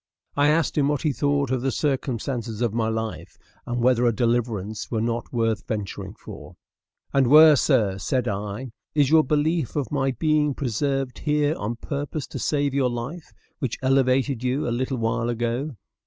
I asked him what he thought of the circumstances of my life, and whether a deliverance were not worth venturing for. "And where, sir," said I, "is your belief of my being preserved here on purpose to save your life, which elevated you a little while ago?